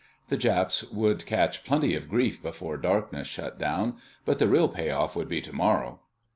The Japs would catch plenty of grief before darkness shut down, but the real pay off would be tomorrow.